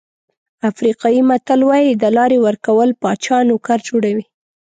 افریقایي متل وایي د لارې ورکول پاچا نوکر جوړوي.